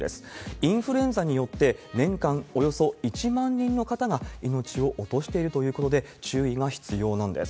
インフルエンザによって、年間およそ１万人の方が命を落としているということで、注意が必要なんです。